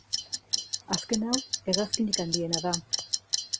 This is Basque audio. Azken hau hegazkinik handiena da.